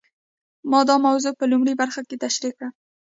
ما دا موضوع په لومړۍ برخه کې تشرېح کړه.